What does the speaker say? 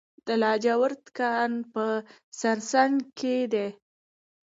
د لاجورد کان په سرسنګ کې دی